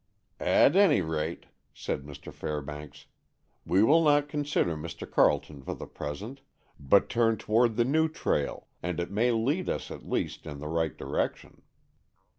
"At any rate," said Mr. Fairbanks, "we will not consider Mr. Carleton for the present, but turn toward the new trail, and it may lead us, at least, in the right direction.